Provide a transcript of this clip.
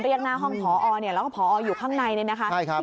เรียกหน้าห้องพอแล้วก็พออยู่ข้างในนี่นะครับ